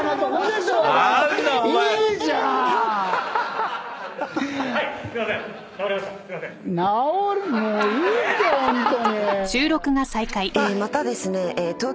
またですね。